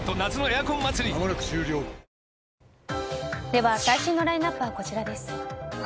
では、最新のラインアップはこちらです。